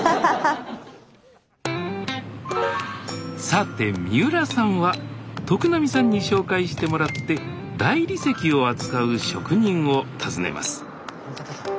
さて三浦さんは徳並さんに紹介してもらって大理石を扱う職人を訪ねますすいません。